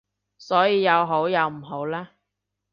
所以有好有唔好啦